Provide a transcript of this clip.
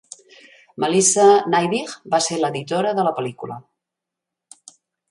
Melissa Neidich va ser l'editora de la pel·lícula.